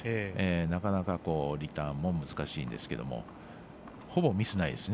なかなか、リターンも難しいんですけどほぼミスないですね。